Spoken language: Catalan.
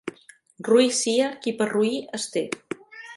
Roí sia qui per roí es té.